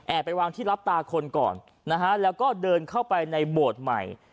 ไปวางที่รับตาคนก่อนนะฮะแล้วก็เดินเข้าไปในโบสถ์ใหม่